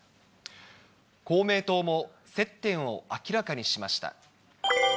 公明党も接点を明らかにしました。